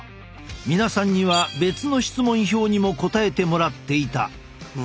皆さんには別の質問票にも答えてもらっていた。